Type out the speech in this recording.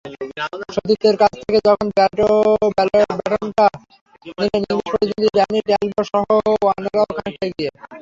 সতীর্থের কাছ থেকে যখন ব্যাটনটা নিলেন, ইংলিশ প্রতিদ্বন্দ্বী ড্যানি ট্যালবটসহ অন্যরাও খানিকটা এগিয়ে।